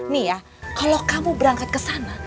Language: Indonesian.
nih ya kalo kamu berangkat kesana